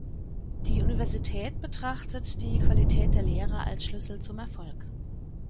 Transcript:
Die Universität betrachtet die Qualität der Lehre als Schlüssel zum Erfolg.